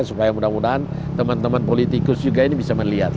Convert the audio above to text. supaya mudah mudahan teman teman politikus juga ini bisa melihat